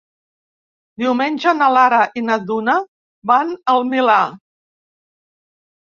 Diumenge na Lara i na Duna van al Milà.